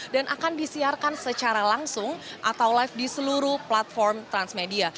dan akan disiarkan secara langsung atau live di seluruh platform transmedia